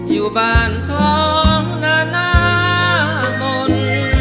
อยู่บ้านท้องนานาบน